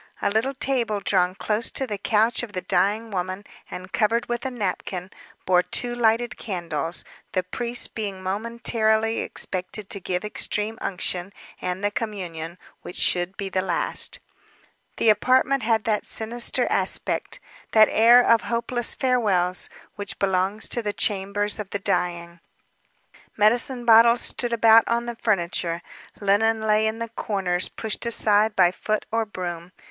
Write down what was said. A little table drawn close to the couch of the dying woman, and covered with a napkin, bore two lighted candles, the priest being momentarily expected to give extreme unction and the communion, which should be the last. The apartment had that sinister aspect, that air of hopeless farewells, which belongs to the chambers of the dying. Medicine bottles stood about on the furniture, linen lay in the corners, pushed aside by foot or broom.